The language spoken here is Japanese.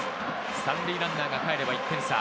３塁ランナーがかえれば１点差。